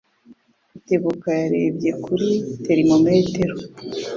Rutebuka yarebye kuri termometero.